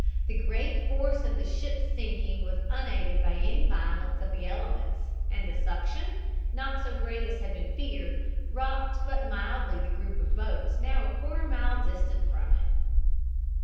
The great force of the ship's sinking was unaided by any violence of the elements, and the suction, not so great as had been feared, rocked but mildly the group of boats now a quarter of a mile distant from it.